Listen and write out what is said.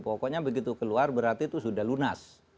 pokoknya begitu keluar berarti itu sudah lunas